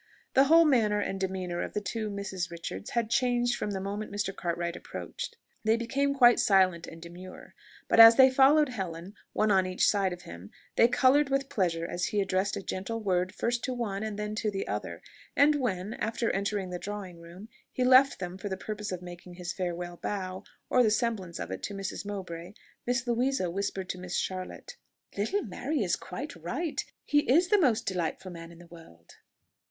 The whole manner and demeanour of the two Misses Richards had changed from the moment Mr. Cartwright approached. They became quite silent and demure; but as they followed Helen, one on each side of him, they coloured with pleasure as he addressed a gentle word, first to one, then to the other; and when, after entering the drawing room, he left them for the purpose of making his farewell bow, or the semblance of it, to Mrs. Mowbray, Miss Louisa whispered to Miss Charlotte, "Little Mary is quite right: he is the most delightful man in the world."